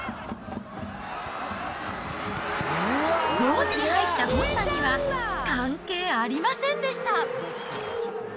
ゾーンに入ったゴンさんには関係ありませんでした。